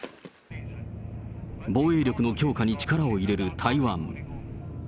防衛力の強化に力を入れる台湾。